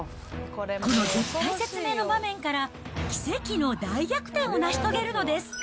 この絶体絶命の場面から、奇跡の大逆転を成し遂げるのです。